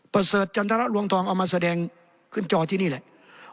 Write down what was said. ประเสริฐจันทรลวงทองเอามาแสดงขึ้นจอที่นี่แหละ